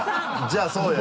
じゃあそうよ